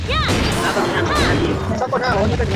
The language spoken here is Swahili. Nani anakukanganya